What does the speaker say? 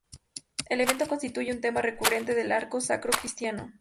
El evento constituye un tema recurrente del arte sacro cristiano.